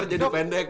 ntar jadi pendek